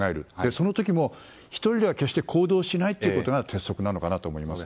その時も１人では決して行動しないのが鉄則なのかなと思いますね。